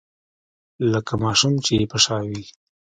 لکه ماشوم چې يې په شا وي.